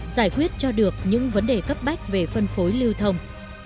giải quyết cho được những vấn đề cấp bách về phân phối lưu thông